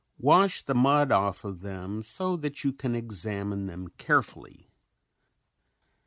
Wash the mud off of them so that you can examine them carefully.